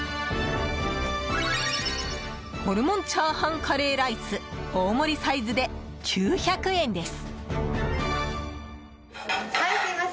ホルモンチャーハンカレーライス大盛りサイズで９００円です。